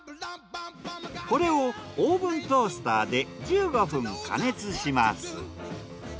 これをオーブントースターで１５分加熱します。